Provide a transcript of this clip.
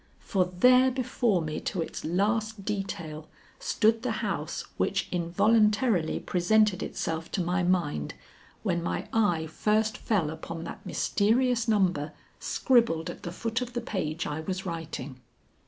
For there before me to its last detail, stood the house which involuntarily presented itself to my mind, when my eye first fell upon that mysterious number scribbled at the foot of the page I was writing.